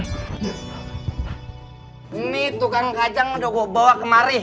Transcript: ini tukang kacang sudah gue bawa kemari